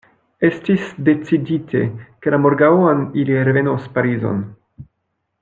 Estis decidite, ke la morgaŭon ili revenos Parizon.